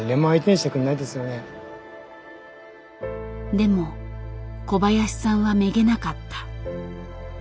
でも小林さんはめげなかった。